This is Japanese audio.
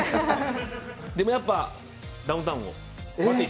でもやっぱ、ダウンタウンを。